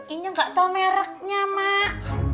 ini gak tau mereknya mak